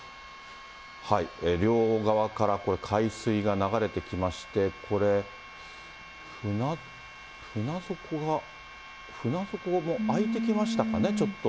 両側からこれ、海水が流れてきまして、船底が、船底も開いてきましたかね、ちょっと。